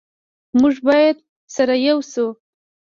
موږ باید سره ېو شو